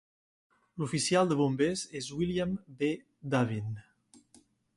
L'oficial de bombers és William B. Davin.